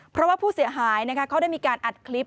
เพราะว่าผู้เสียหายเขาได้มีการอัดคลิป